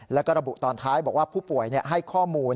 แล้วก็ระบุตอนท้ายบอกว่าผู้ป่วยให้ข้อมูล